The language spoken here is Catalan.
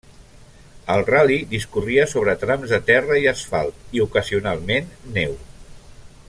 El ral·li discorria sobre trams de terra i asfalt i, ocasionalment, neu.